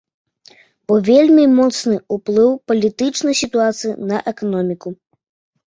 Бо вельмі моцны ўплыў палітычнай сітуацыі на эканоміку.